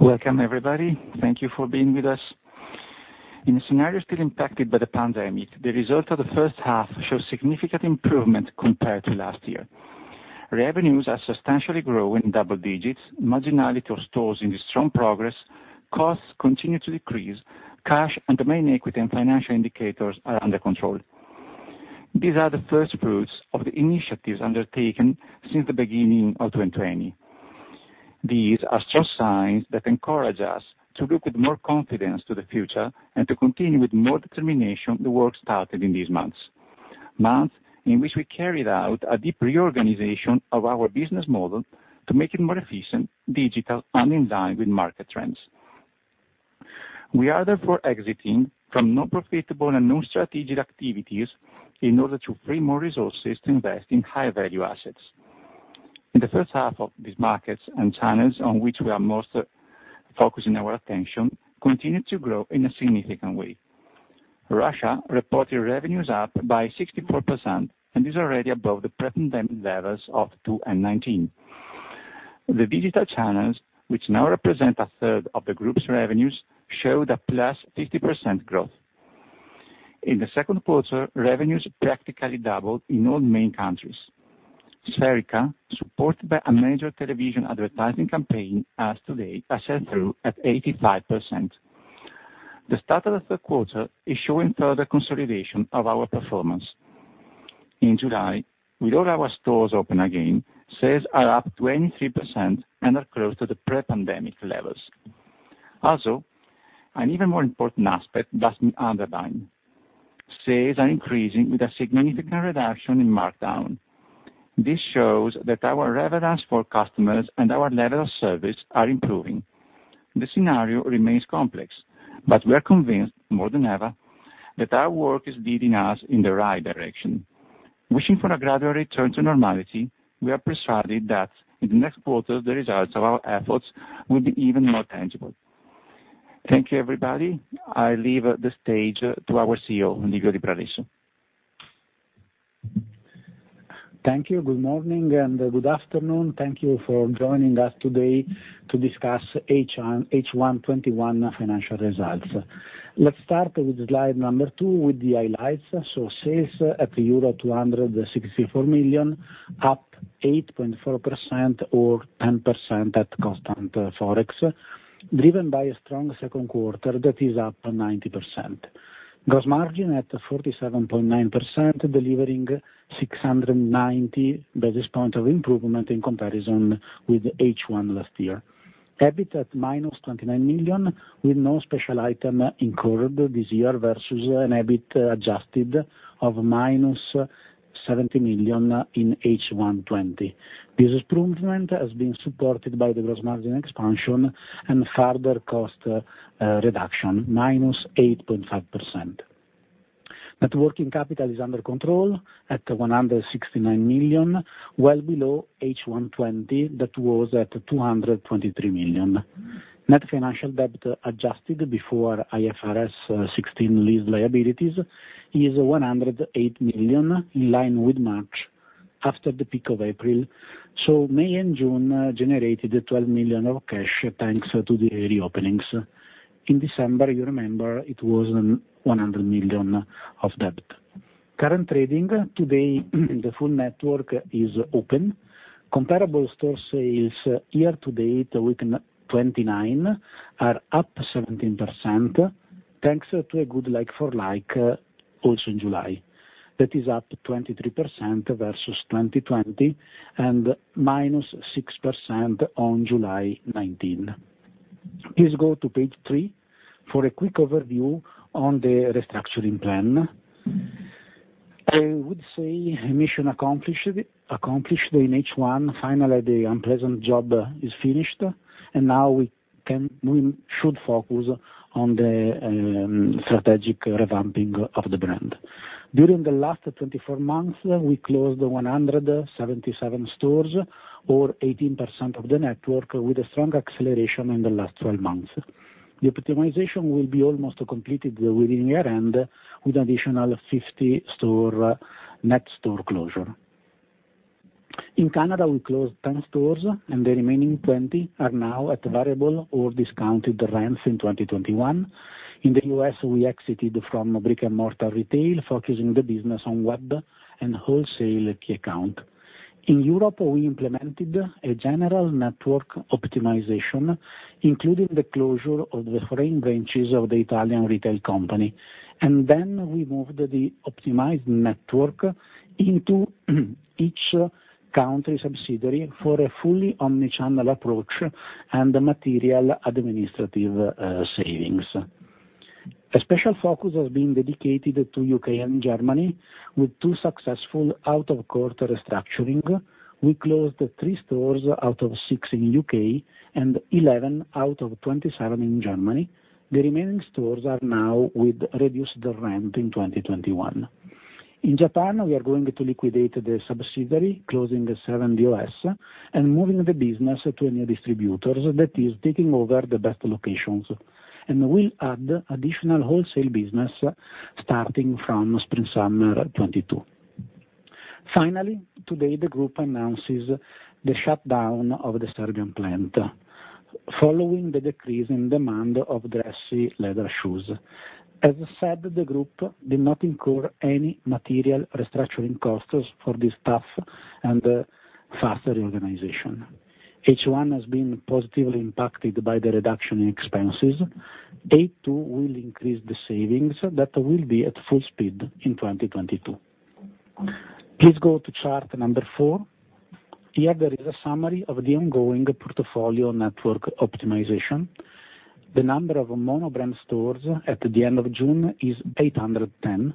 Welcome, everybody. Thank you for being with us. In a scenario still impacted by the pandemic, the result of the first half shows significant improvement compared to last year. Revenues are substantially growing double digits, marginality of stores in strong progress, costs continue to decrease, cash and the main equity and financial indicators are under control. These are the first fruits of the initiatives undertaken since the beginning of 2020. These are strong signs that encourage us to look with more confidence to the future and to continue with more determination the work started in these months. Months in which we carried out a deep reorganization of our business model to make it more efficient, digital, and in line with market trends. We are therefore exiting from non-profitable and non-strategic activities in order to free more resources to invest in high-value assets. In the first half of these markets and channels on which we are most focusing our attention, continued to grow in a significant way. Russia reported revenues up by 64% and is already above the pre-pandemic levels of 2019. The digital channels, which now represent a third of the group's revenues, showed a +50% growth. In the second quarter, revenues practically doubled in all main countries. Spherica, supported by a major television advertising campaign, has today a sell-through of 85%. The start of the third quarter is showing further consolidation of our performance. In July, with all our stores open again, sales are up 23% and are close to the pre-pandemic levels. Also, an even more important aspect that's been underlined. Sales are increasing with a significant reduction in markdown. This shows that our reverence for customers and our level of service are improving. The scenario remains complex, but we are convinced more than ever, that our work is leading us in the right direction. Wishing for a gradual return to normality, we are persuaded that in the next quarter, the results of our efforts will be even more tangible. Thank you, everybody. I leave the stage to our CEO, Livio Libralesso. Thank you. Good morning and good afternoon. Thank you for joining us today to discuss H1 2021 financial results. Let's start with slide number two with the highlights. Sales at euro 264 million, up 8.4% or 10% at constant Forex, driven by a strong second quarter that is up 90%. Gross margin at 47.9%, delivering 690 basis points of improvement in comparison with H1 last year. EBIT at -29 million, with no special item incurred this year versus an EBIT adjusted of -70 million in H1 2020. This improvement has been supported by the gross margin expansion and further cost reduction, -8.5%. Net working capital is under control at 169 million, well below H1 2020, that was at 223 million. Net financial debt adjusted before IFRS 16 lease liabilities is 108 million, in line with March after the peak of April. May and June generated 12 million of cash thanks to the reopenings. In December, you remember it was 100 million of debt. Current trading. Today, the full network is open. Comparable store sales year to date, week 29, are up 17%, thanks to a good like-for-like also in July. That is up 23% versus 2020 and -6% on July 2019. Please go to page three for a quick overview on the restructuring plan. Mission accomplished in H1. Finally, the unpleasant job is finished, and now we should focus on the strategic revamping of the brand. During the last 24 months, we closed 177 stores or 18% of the network with a strong acceleration in the last 12 months. The optimization will be almost completed within year-end with additional 50 net store closure. In Canada, we closed 10 stores and the remaining 20 are now at variable or discounted rents in 2021. In the U.S., we exited from brick-and-mortar retail, focusing the business on web and wholesale key account. In Europe, we implemented a general network optimization, including the closure of the franchise branches of the Italian retail company. We moved the optimized network into each country subsidiary for a fully omni-channel approach and material administrative savings. A special focus has been dedicated to U.K. and Germany with two successful out of court restructuring. We closed three stores out of six in U.K. and 11 out of 27 in Germany. The remaining stores are now with reduced rent in 2021. In Japan, we are going to liquidate the subsidiary, closing seven DOS and moving the business to a new distributor that is taking over the best locations. We'll add additional wholesale business starting from spring/summer 2022. Finally, today the group announces the shutdown of the Serbian plant following the decrease in demand of dressy leather shoes. As I said, the group did not incur any material restructuring costs for this staff and faster reorganization. H1 has been positively impacted by the reduction in expenses. H2 will increase the savings that will be at full speed in 2022. Please go to chart number four. Here there is a summary of the ongoing portfolio network optimization. The number of mono-brand stores at the end of June is 810,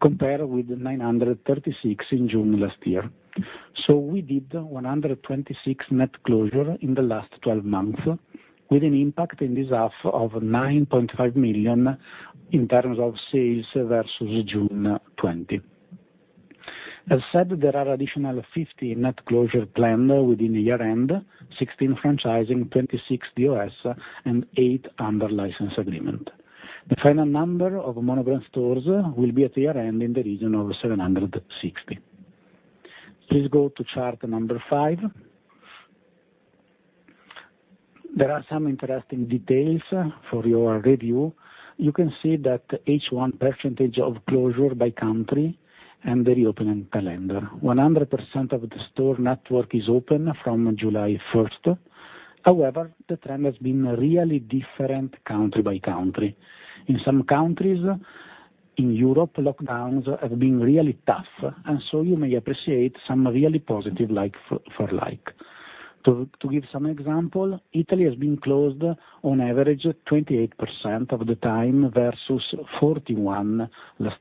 compared with 936 in June last year. We did 126 net closure in the last 12 months, with an impact in this half of 9.5 million in terms of sales versus June 2020. As said, there are additional 50 net closure planned within the year-end, 16 franchising, 26 DOS, and eight under license agreement. The final number of mono-brand stores will be at year-end in the region of 760. Please go to chart number five. There are some interesting details for your review. You can see that H1 percentage of closure by country and the reopening calendar. 100% of the store network is open from July 1st. The trend has been really different country by country. In some countries in Europe, lockdowns have been really tough, you may appreciate some really positive like-for-like. To give some example, Italy has been closed on average 28% of the time versus 41% last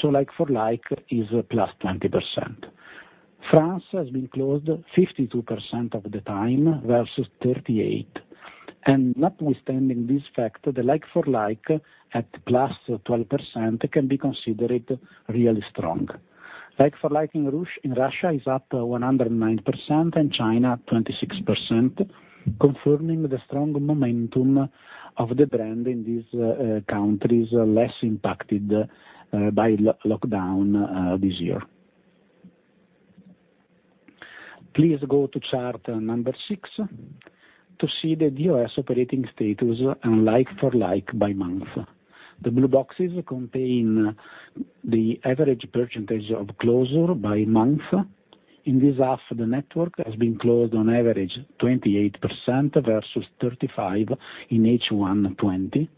year, like-for-like is +20%. France has been closed 52% of the time versus 38%. Notwithstanding this fact, the like-for-like at +12% can be considered really strong. Like-for-like in Russia is up 109% and China 26%, confirming the strong momentum of the brand in these countries less impacted by lockdown this year. Please go to chart number six to see the DOS operating status and like-for-like by month. The blue boxes contain the average percentage of closure by month. In this half, the network has been closed on average 28% versus 35% in H1 2020.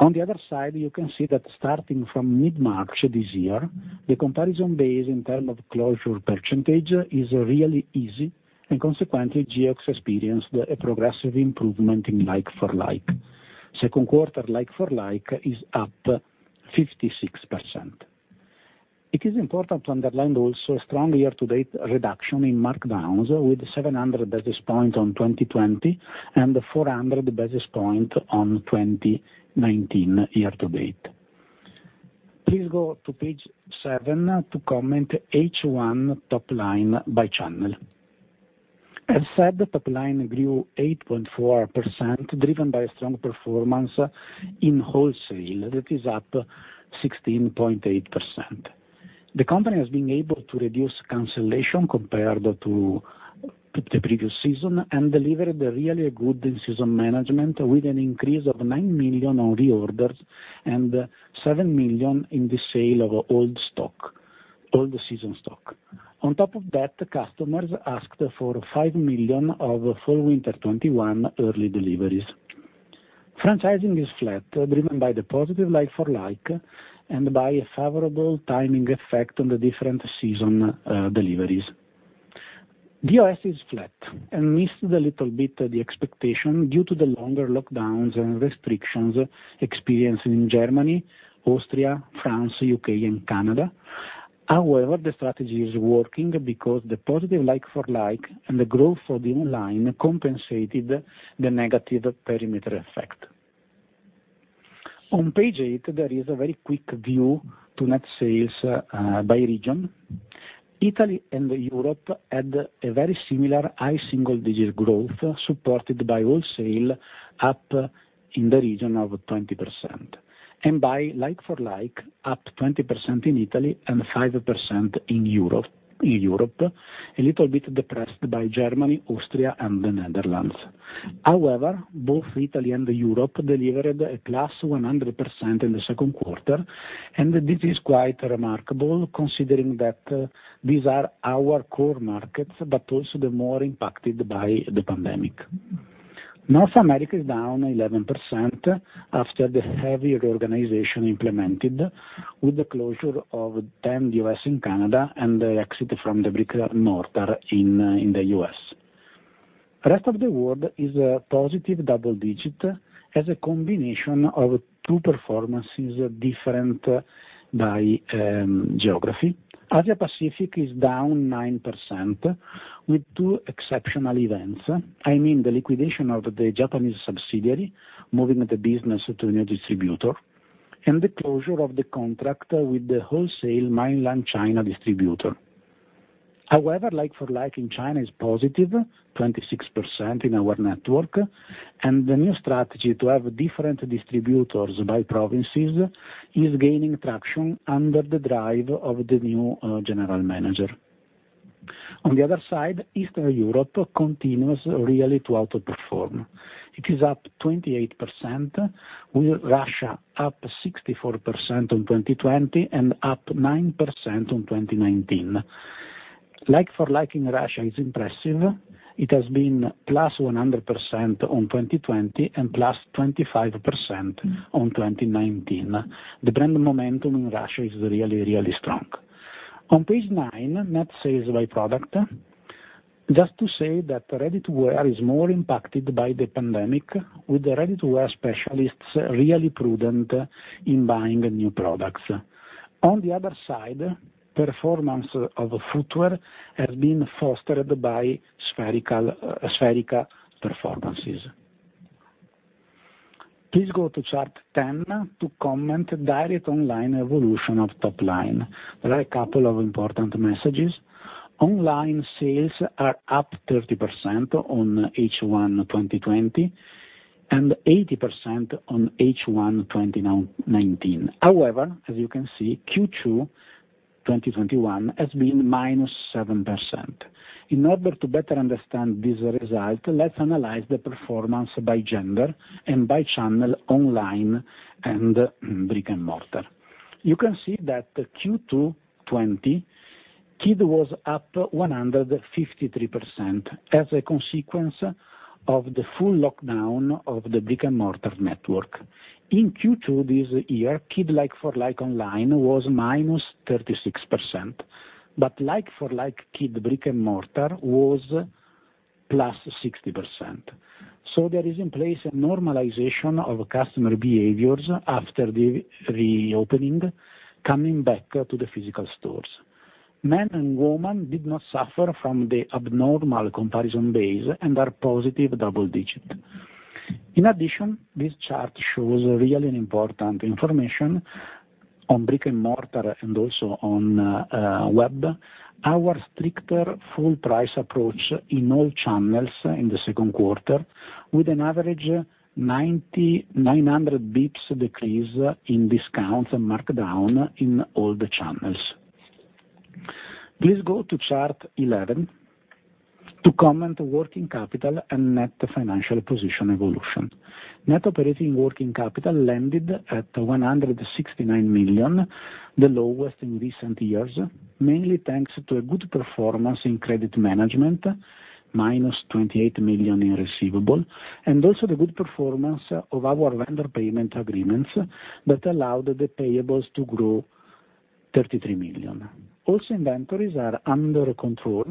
On the other side, you can see that starting from mid-March this year, the comparison base in term of closure percentage is really easy, and consequently, Geox experienced a progressive improvement in like-for-like. Second quarter like-for-like is up 56%. It is important to underline also strong year-to-date reduction in markdowns with 700 basis points on 2020 and 400 basis points on 2019 year-to-date. Please go to page seven to comment H1 top line by channel. As said, top line grew 8.4%, driven by strong performance in wholesale, that is up 16.8%. The company has been able to reduce cancellation compared to the previous season and delivered a really good season management with an increase of 9 million on reorders and 7 million in the sale of old season stock. On top of that, customers asked for 5 million of fall/winter 2021 early deliveries. Franchising is flat, driven by the positive like-for-like and by a favorable timing effect on the different season deliveries. DOS is flat and missed a little bit the expectation due to the longer lockdowns and restrictions experienced in Germany, Austria, France, U.K. and Canada. The strategy is working because the positive like-for-like and the growth for the online compensated the negative perimeter effect. On page eight, there is a very quick view to net sales by region. Italy and Europe had a very similar high single-digit growth, supported by wholesale up in the region of 20%. By like-for-like, up 20% in Italy and 5% in Europe. A little bit depressed by Germany, Austria, and the Netherlands. Both Italy and Europe delivered a +100% in the second quarter. This is quite remarkable considering that these are our core markets, but also the more impacted by the pandemic. North America is down 11% after the heavy reorganization implemented with the closure of 10 DOS in Canada and the exit from the brick-and-mortar in the U.S. Rest of the world is a positive double-digit as a combination of two performances different by geography. Asia Pacific is down 9% with two exceptional events. I mean, the liquidation of the Japanese subsidiary, moving the business to a new distributor, and the closure of the contract with the wholesale mainland China distributor. However, like-for-like in China is positive, 26% in our network, and the new strategy to have different distributors by provinces is gaining traction under the drive of the new general manager. On the other side, Eastern Europe continues really to outperform. It is up 28%, with Russia up 64% on 2020 and up 9% on 2019. Like-for-like in Russia is impressive. It has been +100% on 2020 and +25% on 2019. The brand momentum in Russia is really, really strong. On page nine, net sales by product. Just to say that ready-to-wear is more impacted by the pandemic, with the ready-to-wear specialists really prudent in buying new products. On the other side, performance of the footwear has been fostered by Spherica performances. Please go to chart 10 to comment direct online evolution of top line. There are a couple of important messages. Online sales are up 30% on H1 2020 and 80% on H1 2019. However, as you can see, Q2 2021 has been -7%. In order to better understand this result, let's analyze the performance by gender and by channel online and brick-and-mortar. You can see that Q2 2020, kid was up 153% as a consequence of the full lockdown of the brick-and-mortar network. In Q2 this year, kid like-for-like online was -36%, but like-for-like kid brick-and-mortar was +60%. There is in place a normalization of customer behaviors after the reopening, coming back to the physical stores. Men and women did not suffer from the abnormal comparison base and are positive double digit. In addition, this chart shows really important information on brick-and-mortar and also on web. Our stricter full price approach in all channels in the second quarter, with an average 900 basis points decrease in discounts and markdown in all the channels. Please go to chart 11 to comment working capital and net financial position evolution. Net operating working capital landed at 169 million, the lowest in recent years, mainly thanks to a good performance in credit management, -28 million in receivable, and also the good performance of our vendor payment agreements that allowed the payables to grow 33 million. Also, inventories are under control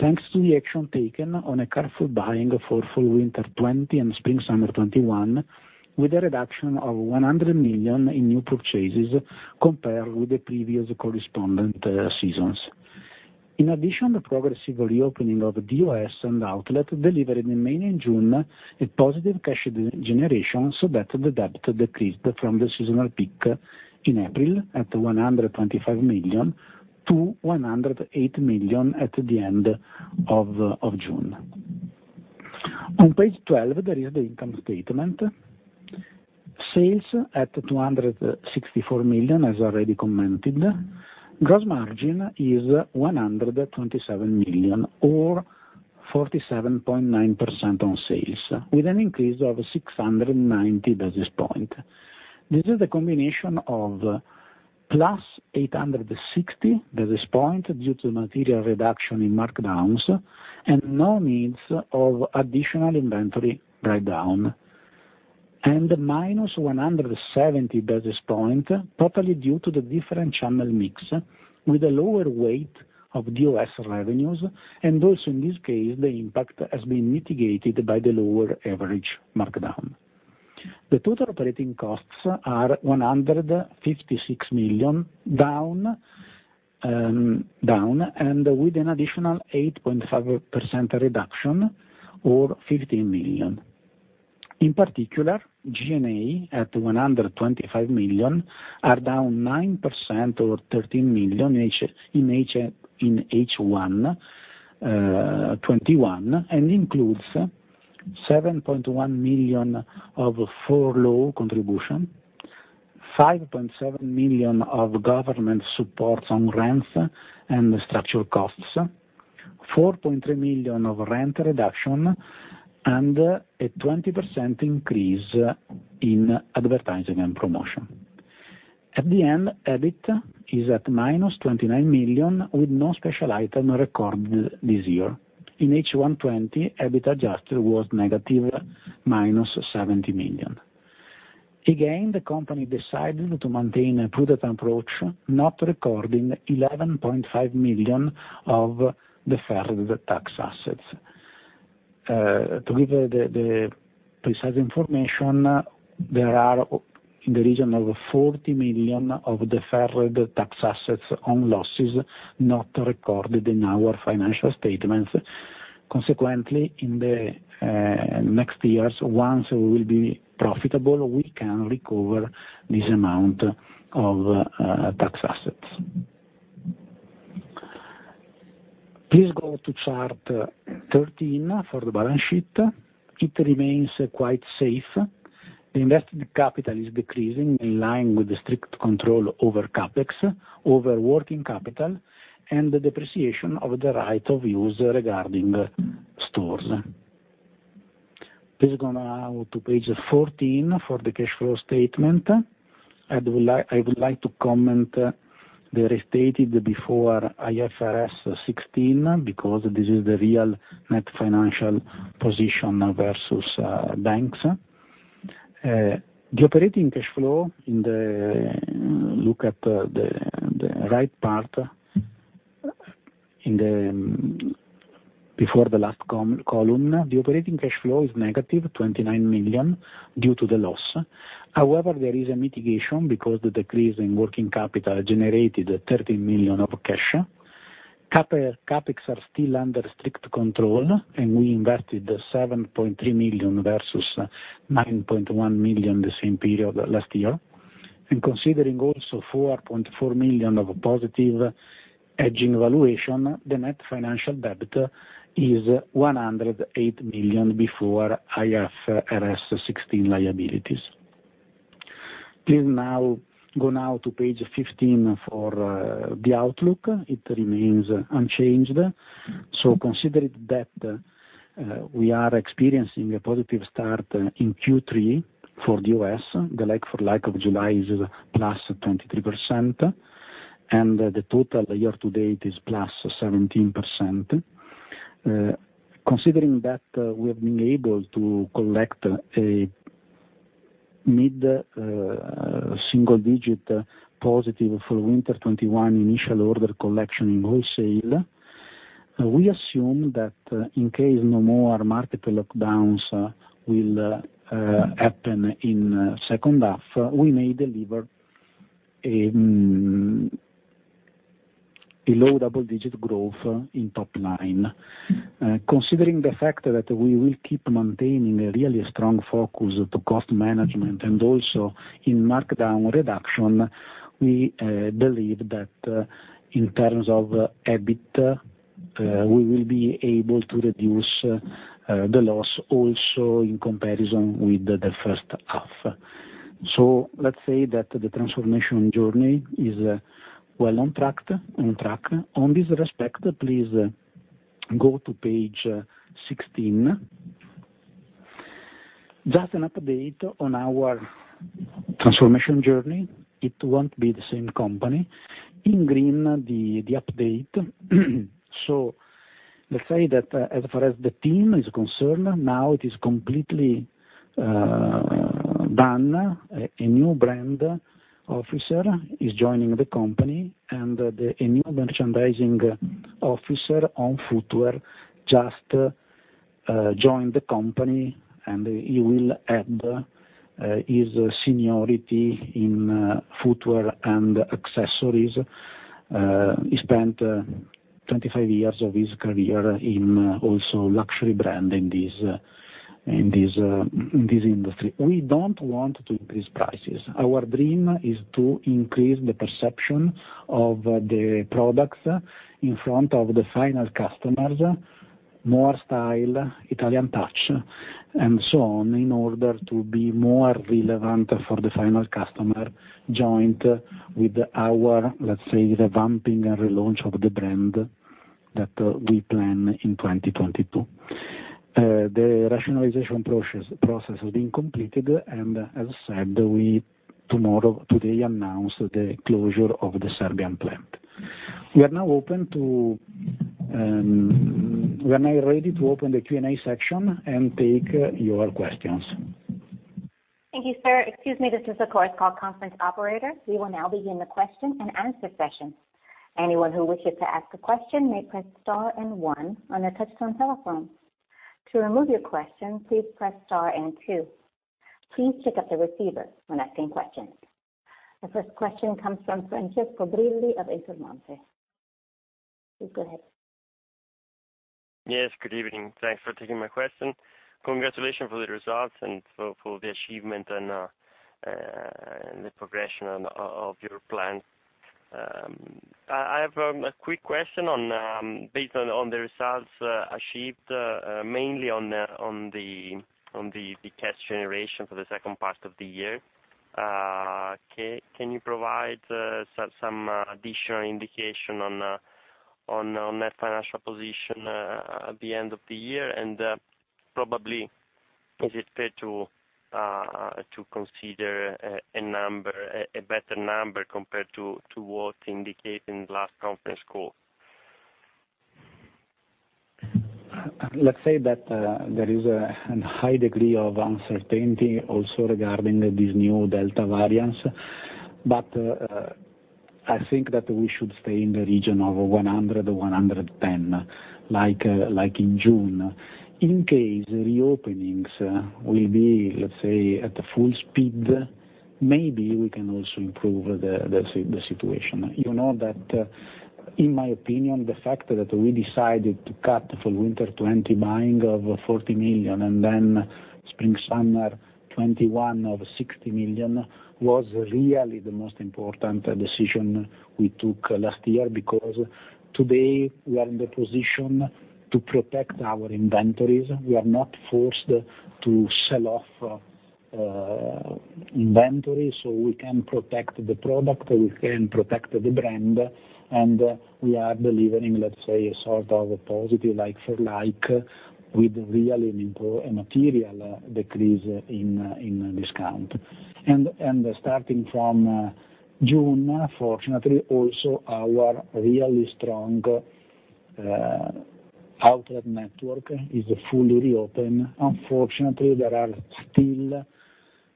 thanks to the action taken on a careful buying for full winter 2020 and spring/summer 2021, with a reduction of 100 million in new purchases compared with the previous correspondent seasons. In addition, the progressive reopening of DOS and outlet delivered mainly in June a positive cash generation, so that the debt decreased from the seasonal peak in April at 125 million to 108 million at the end of June. On page 12, there is the income statement. Sales at 264 million, as already commented. Gross margin is 127 million or 47.9% on sales, with an increase of 690 basis points. This is a combination of +860 basis points due to material reduction in markdowns and no needs of additional inventory write down. -170 basis points, totally due to the different channel mix with a lower weight of DOS revenues, and also in this case, the impact has been mitigated by the lower average markdown. The total operating costs are 156 million, down and with an additional 8.5% reduction or 15 million. In particular, G&A at 125 million, are down 9% or 13 million in H1 2021, and includes 7.1 million of furlough contribution, 5.7 million of government supports on rents and structural costs, 4.3 million of rent reduction, and a 20% increase in advertising and promotion. At the end, EBIT is at -29 million with no special item recorded this year. In H1 2020, EBIT adjusted was negative, -70 million. Again, the company decided to maintain a prudent approach, not recording 11.5 million of deferred tax assets. To give the precise information, there are in the region of 40 million of deferred tax assets on losses not recorded in our financial statements. Consequently, in the next years, once we will be profitable, we can recover this amount of tax assets. Please go to chart 13 for the balance sheet. It remains quite safe. The invested capital is decreasing in line with the strict control over CapEx, over working capital, and the depreciation of the right-of-use regarding stores. Please go now to page 14 for the cash flow statement. I would like to comment the restated before IFRS 16, because this is the real net financial position versus banks. Look at the right part, before the last column. The operating cash flow is negative 29 million due to the loss. There is a mitigation because the decrease in working capital generated 30 million of cash. CapEx are still under strict control, we invested 7.3 million versus 9.1 million the same period last year. Considering also 4.4 million of positive hedging valuation, the net financial debt is 108 million before IFRS 16 liabilities. Please now go now to page 15 for the outlook. It remains unchanged. Consider that we are experiencing a positive start in Q3 for the U.S. The like-for-like of July is +23%, the total year to date is +17%. Considering that we have been able to collect a mid-single digit positive for Winter 2021 initial order collection in wholesale, we assume that in case no more market lockdowns will happen in second half, we may deliver a low double-digit growth in top-line. Considering the fact that we will keep maintaining a really strong focus to cost management and also in markdown reduction, we believe that in terms of EBIT, we will be able to reduce the loss also in comparison with the first half. Let's say that the transformation journey is well on track. On this respect, please go to page 16. Just an update on our transformation journey. It won't be the same company. In green, the update. Let's say that as far as the team is concerned, now it is completely done. A new brand officer is joining the company, and a new merchandising officer on footwear just joined the company, and he will add his seniority in footwear and accessories. He spent 25 years of his career in also luxury brand in this industry. We don't want to increase prices. Our dream is to increase the perception of the products in front of the final customers, more style, Italian touch, and so on, in order to be more relevant for the final customer, joint with our, let's say, revamping and relaunch of the brand that we plan in 2022. The rationalization process has been completed, and as said, we today announced the closure of the Serbian plant. We are now ready to open the Q&A section and take your questions. Thank you, sir. Excuse me, this is the call conference operator. We will now begin the question-and-answer session. Anyone who wishes to ask a question may press star and one on their touchtone telephone. To remove your question, please press star and two. Please pick up the receiver when asking questions. The first question comes from Francesco Brilli of Intermonte. Please go ahead. Yes, good evening. Thanks for taking my question. Congratulations for the results and for the achievement and the progression of your plan. I have a quick question based on the results achieved, mainly on the cash generation for the second part of the year. Can you provide some additional indication on net financial position at the end of the year? Probably, is it fair to consider a better number compared to what indicated in the last conference call? Let's say that there is a high degree of uncertainty also regarding this new Delta variants. I think that we should stay in the region of 100,000 or 110,000, like in June. In case reopenings will be, let's say, at full speed, maybe we can also improve the situation. You know that in my opinion, the fact that we decided to cut for winter 2020 buying of 40 million, and then spring, summer 2021 of 60 million, was really the most important decision we took last year. Today, we are in the position to protect our inventories. We are not forced to sell off inventory. We can protect the product, we can protect the brand, and we are delivering, let's say, a sort of a positive like-for-like, with a really material decrease in discount. Starting from June, fortunately, also our really strong outlet network is fully reopen. There are still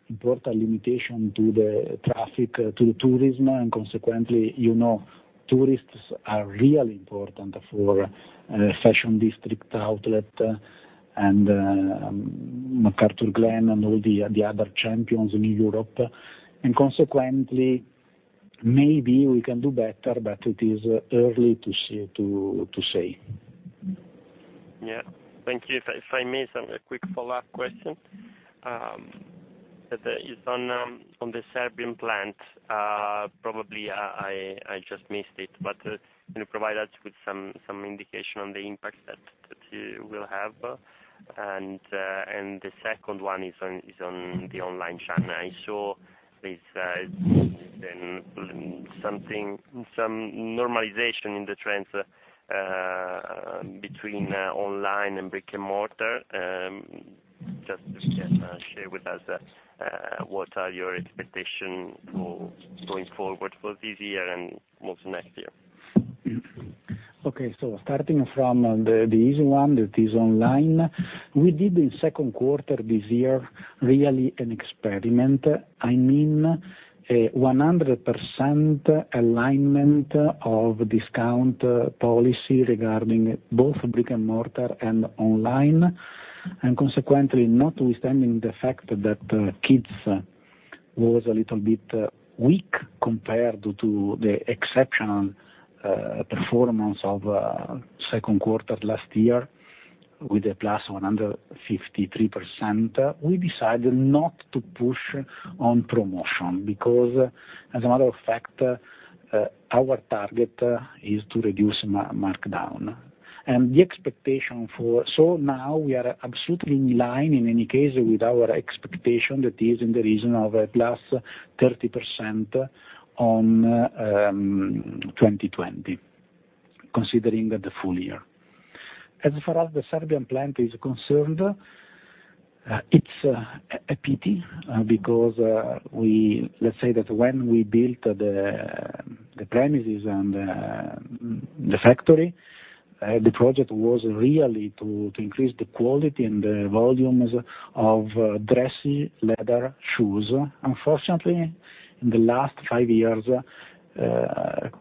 important limitations to the traffic, to the tourism, and consequently, tourists are really important for fashion district outlet, and McArthurGlen and all the other champions in Europe. Consequently, maybe we can do better, but it is early to say. Yeah. Thank you. If I may, sir, a quick follow-up question. It's on the Serbian plant. Probably I just missed it. Can you provide us with some indication on the impact that it will have? The second one is on the online channel. I saw there's been some normalization in the trends between online and brick-and-mortar. Just if you can share with us what are your expectation for going forward for this year and most next year. Okay. Starting from the easy one, that is online. We did in second quarter this year, really an experiment. I mean, a 100% alignment of discount policy regarding both brick-and-mortar and online. Consequently, notwithstanding the fact that Kids was a little bit weak compared to the exceptional performance of second quarter last year, with a +153%, we decided not to push on promotion. As a matter of fact, our target is to reduce markdown. Now we are absolutely in line, in any case, with our expectation that is in the region of a +30% on 2020, considering the full year. As far as the Serbian plant is concerned, it's a pity, because let's say that when we built the premises and the factory, the project was really to increase the quality and the volumes of dressy leather shoes. Unfortunately, in the last five years,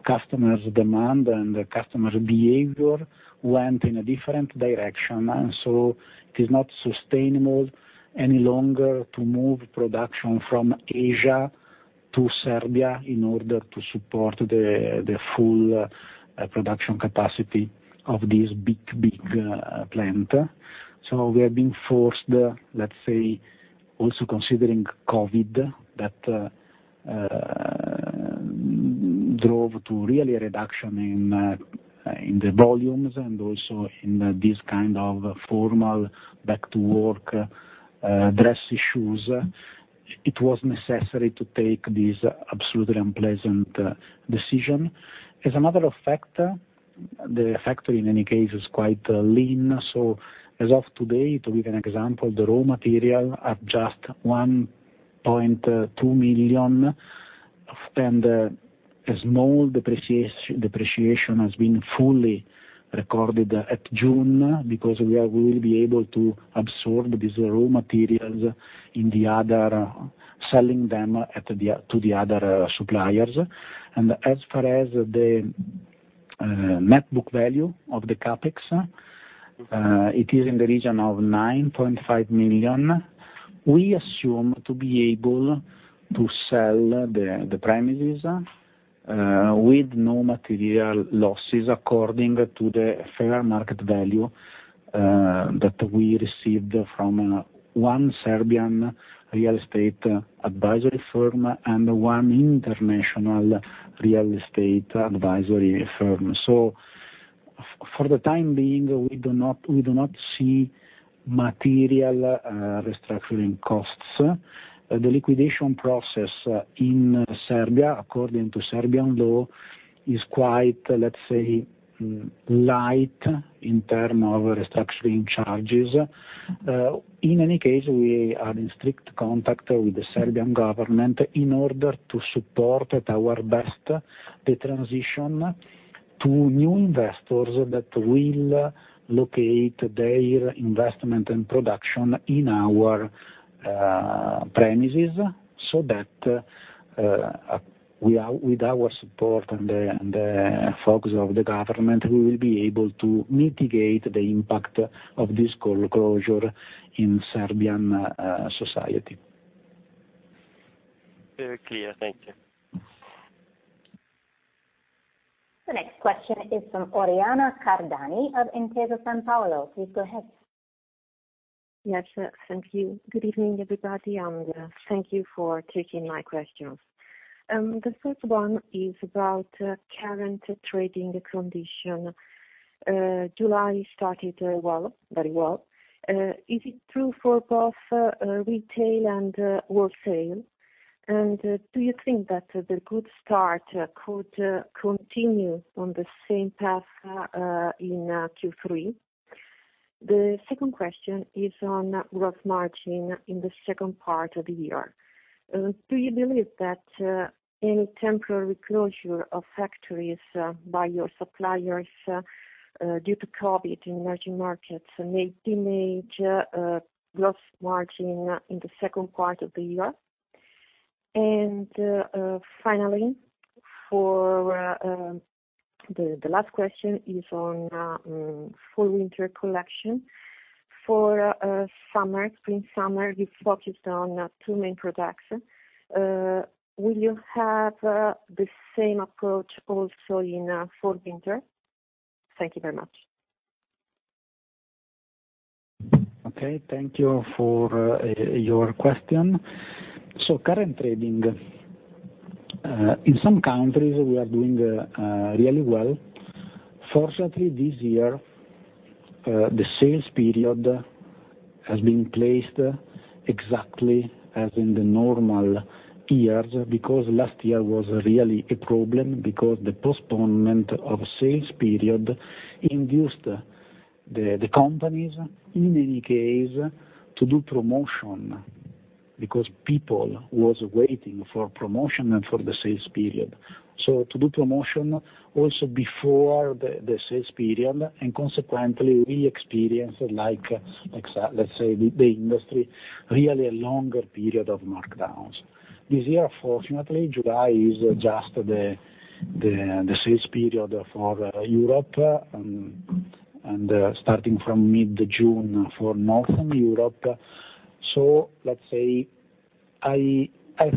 customers demand and customer behavior went in a different direction. It is not sustainable any longer to move production from Asia to Serbia in order to support the full production capacity of this big plant. We are being forced, let's say, also considering COVID, that drove to really a reduction in the volumes and also in this kind of formal back-to-work dress shoes. It was necessary to take this absolutely unpleasant decision. As a matter of fact, the factory in any case, is quite lean. As of today, to give an example, the raw material at just 1.2 million, and a small depreciation has been fully recorded at June, because we will be able to absorb these raw materials in the other, selling them to the other suppliers. As far as the net book value of the CapEx, it is in the region of 9.5 million. We assume to be able to sell the premises with no material losses according to the fair market value, that we received from one Serbian real estate advisory firm and one international real estate advisory firm. For the time being, we do not see material restructuring costs. The liquidation process in Serbia, according to Serbian law, is quite, let's say, light in terms of restructuring charges. In any case, we are in strict contact with the Serbian government in order to support at our best the transition to new investors that will locate their investment and production in our premises. With our support and the focus of the government, we will be able to mitigate the impact of this closure in Serbian society. Very clear. Thank you. The next question is from Oriana Cardani of Intesa Sanpaolo. Please go ahead. Yes, thank you. Good evening, everybody, and thank you for taking my questions. The first one is about current trading condition. July started very well. Is it true for both retail and wholesale? Do you think that the good start could continue on the same path in Q3? The second question is on gross margin in the second part of the year. Do you believe that any temporary closure of factories by your suppliers due to COVID in emerging markets may damage gross margin in the second part of the year? Finally, for the last question is on fall/winter collection. For spring/summer, you focused on two main products. Will you have the same approach also in fall/winter? Thank you very much. Okay. Thank you for your question. Current trading. In some countries, we are doing really well. Fortunately, this year, the sales period has been placed exactly as in the normal years, because last year was really a problem because the postponement of sales period induced the companies in any case to do promotion because people was waiting for promotion and for the sales period. To do promotion also before the sales period, and consequently we experienced like, let's say, the industry, really a longer period of markdowns. This year, fortunately, July is just the sales period for Europe, and starting from mid-June for Northern Europe. Let's say, I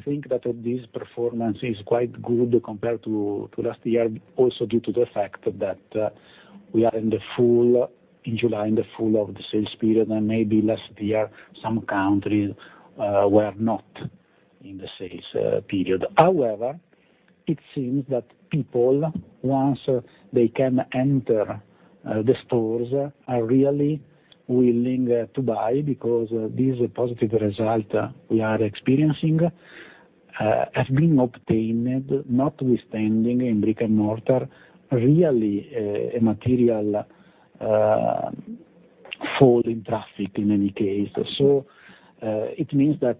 think that this performance is quite good compared to last year, also due to the fact that we are in July, in the full of the sales period, and maybe last year some countries were not in the sales period. However, it seems that people, once they can enter the stores, are really willing to buy, because this positive result we are experiencing has been obtained notwithstanding in brick-and-mortar, really a material fall in traffic in any case. It means that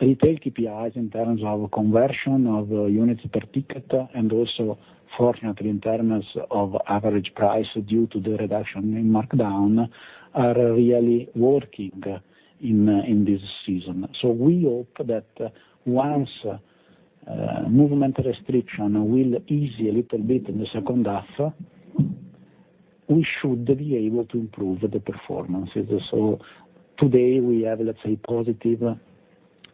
retail KPIs in terms of conversion of units per ticket, and also fortunately in terms of average price due to the reduction in markdown, are really working in this season. We hope that once movement restriction will ease a little bit in the second half, we should be able to improve the performance. Today we have, let's say, positive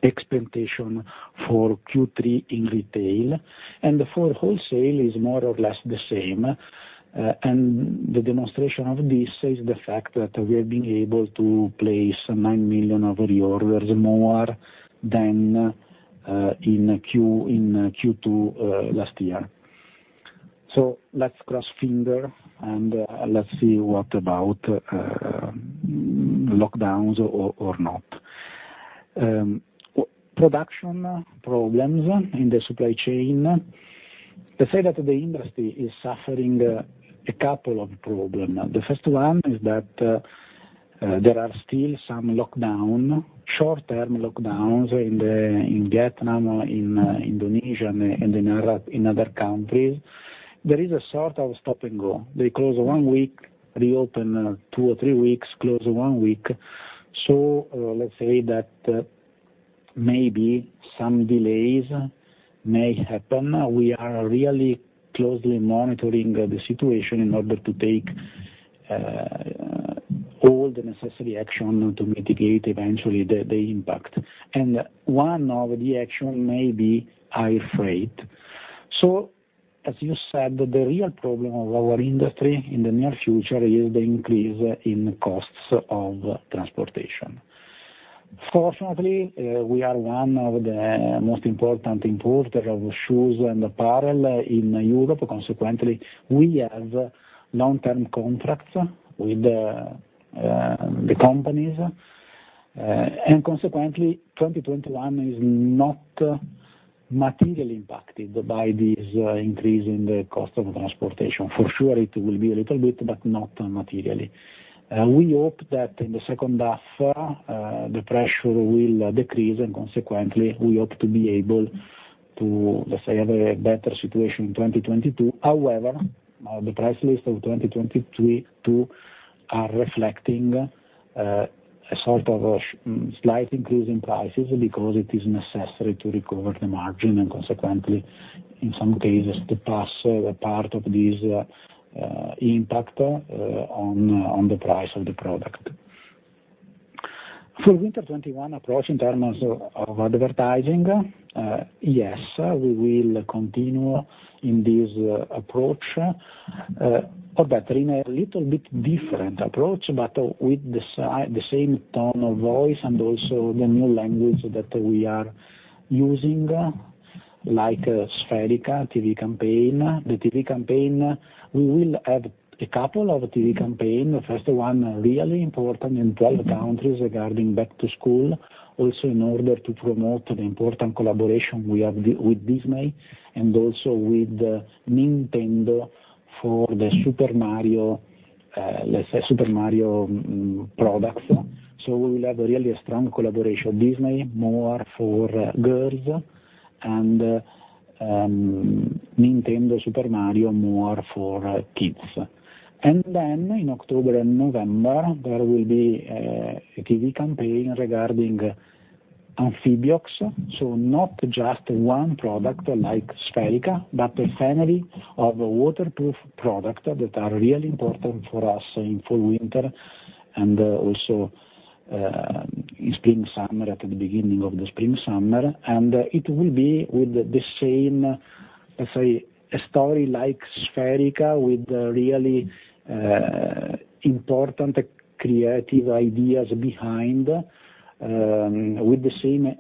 expectation for Q3 in retail, and for wholesale is more or less the same. The demonstration of this is the fact that we are being able to place 9 million of reorders more than in Q2 last year. Let's cross finger and let's see what about lockdowns or not. Production problems in the supply chain. Let's say that the industry is suffering a couple of problem. The first one is that there are still some short-term lockdowns in Vietnam, in Indonesia, and in other countries. There is a sort of stop and go. They close one week, reopen two or three weeks, close one week. Let's say that maybe some delays may happen. We are really closely monitoring the situation in order to take all the necessary action to mitigate eventually the impact. One of the action may be air freight. As you said, the real problem of our industry in the near future is the increase in costs of transportation. Fortunately, we are one of the most important importer of shoes and apparel in Europe. Consequently, we have long-term contracts with the companies. Consequently, 2021 is not materially impacted by this increase in the cost of transportation. For sure, it will be a little bit, but not materially. We hope that in the second half, the pressure will decrease, and consequently, we hope to be able to, let's say, have a better situation in 2022. The price list of 2023 are reflecting a sort of a slight increase in prices because it is necessary to recover the margin, and consequently, in some cases, to pass a part of this impact on the price of the product. For winter 2021 approach in terms of advertising, yes, we will continue in this approach. Or better, in a little bit different approach, but with the same tone of voice and also the new language that we are using, like Spherica TV campaign. The TV campaign, we will have a couple of TV campaign. First one, really important in 12 countries regarding back to school. Also in order to promote an important collaboration we have with Disney, and also with Nintendo for the, let's say, Super Mario products. We will have a really strong collaboration. Disney, more for girls, and Nintendo Super Mario more for kids. In October and November, there will be a TV campaign regarding Amphibiox. Not just one product like Spherica, but a family of waterproof product that are really important for us in fall/winter, and also at the beginning of the spring/summer. It will be with the same, let's say, story like Spherica, with really important creative ideas behind, with the same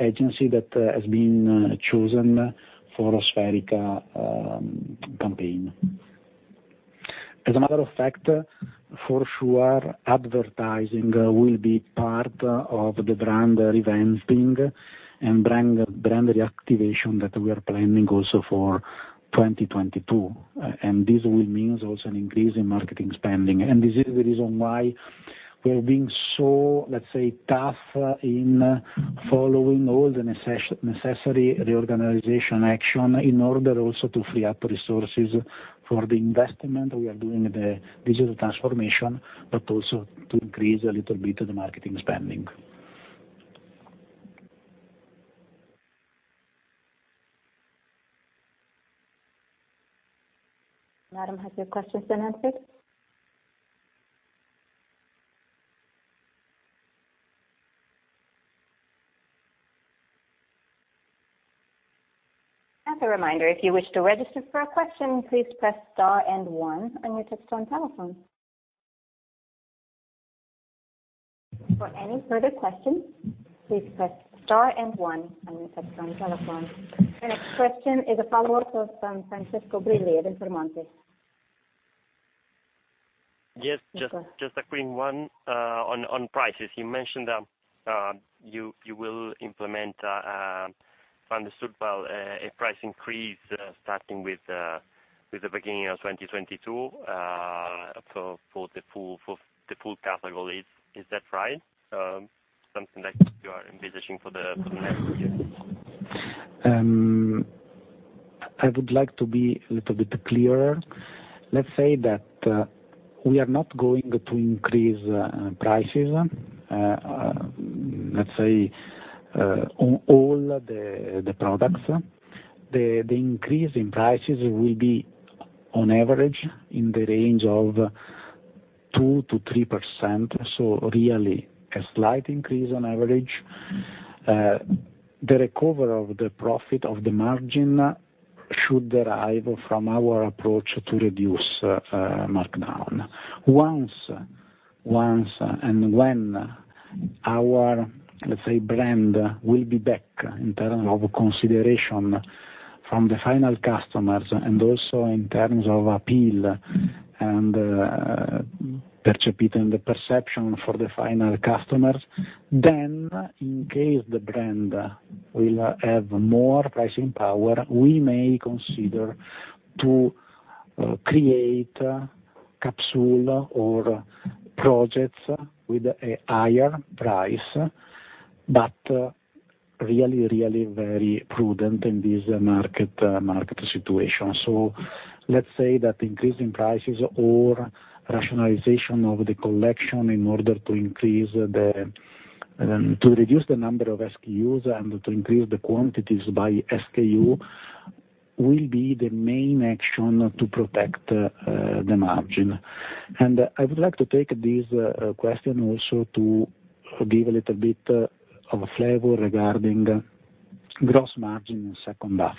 agency that has been chosen for Spherica campaign. As a matter of fact, for sure, advertising will be part of the brand revamping and brand reactivation that we are planning also for 2022. This will mean also an increase in marketing spending. This is the reason why we are being so, let's say, tough in following all the necessary reorganization action in order also to free up resources for the investment. We are doing the digital transformation, but also to increase a little bit the marketing spending. Madam, has your question been answered? As a reminder, if you wish to register for a question, please press star and one on your touch-tone telephone. For any further questions, please press star and one on your touch-tone telephone. Your next question is a follow-up of Francesco Brilli at Intermonte. Yes. Just a quick one on prices. You mentioned you will implement, if I understood well, a price increase starting with the beginning of 2022 for the full category. Is that right? Something that you are envisaging for the next year? I would like to be a little bit clearer. Let's say that we are not going to increase prices, let's say, on all the products. The increase in prices will be on average, in the range of 2%-3%. Really a slight increase on average. The recovery of the profit of the margin should derive from our approach to reduce markdown. Once and when our, let's say, brand will be back in terms of consideration from the final customers, and also in terms of appeal and perception for the final customers, then in case the brand will have more pricing power, we may consider to create capsule or projects with a higher price, but really, really very prudent in this market situation. Let's say that increase in prices or rationalization of the collection in order to reduce the number of SKUs and to increase the quantities by SKU, will be the main action to protect the margin. I would like to take this question also to give a little bit of a flavor regarding gross margin in second half.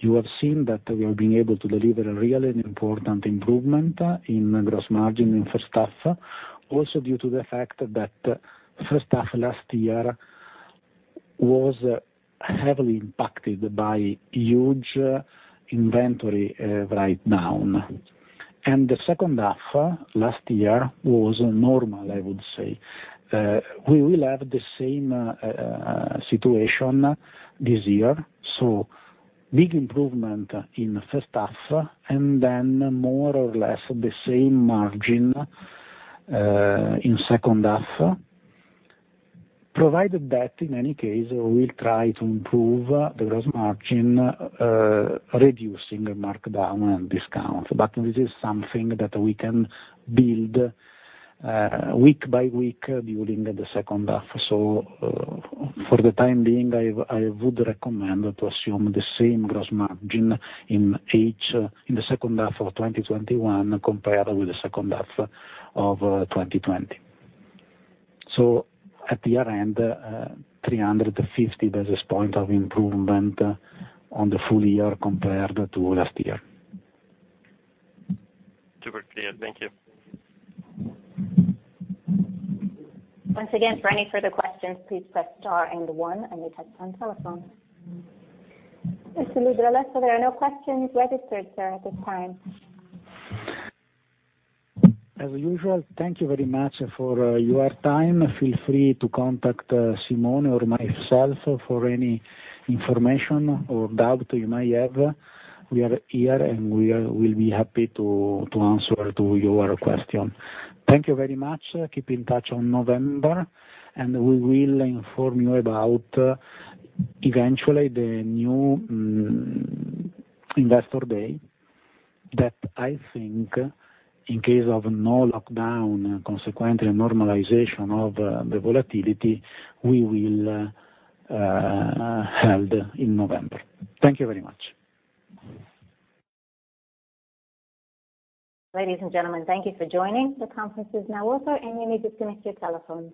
You have seen that we are being able to deliver a really important improvement in gross margin in first half, also due to the fact that first half last year was heavily impacted by huge inventory write down. The second half last year was normal, I would say. We will have the same situation this year. Big improvement in first half, then more or less the same margin in second half. Provided that, in any case, we'll try to improve the gross margin, reducing markdown and discount. This is something that we can build week by week during the second half. For the time being, I would recommend to assume the same gross margin in the second half of 2021 compared with the second half of 2020. At year-end, 350 basis points of improvement on the full year compared to last year. Super clear. Thank you. Once again, for any further questions, please press star and one on your touch-tone telephone. Mr. Livio Libralesso, there are no questions registered, sir, at this time. As usual, thank you very much for your time. Feel free to contact Simone or myself for any information or doubt you may have. We are here, we'll be happy to answer to your question. Thank you very much. Keep in touch on November, we will inform you about eventually the new investor day that I think, in case of no lockdown, consequently normalization of the volatility, we will held in November. Thank you very much. Ladies and gentlemen, thank you for joining. The conference is now over. You may disconnect your telephones.